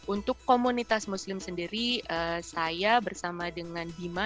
untuk komunitas muslim sendiri saya bersama dengan bima